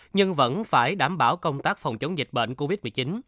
nhưng vẫn phải đảm bảo công tác phòng chống dịch bệnh covid một mươi chín